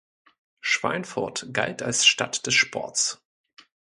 Schweinfurt galt als "Stadt des Sports".